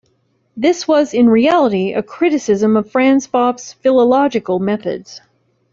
This was in reality a criticism of Franz Bopp's philological methods.